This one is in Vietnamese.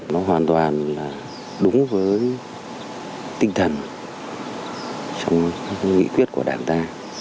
nó hoàn toàn là đúng với tinh thần trong các nghị quyết của đảng ta